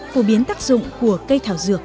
phổ biến tác dụng của cây thảo dược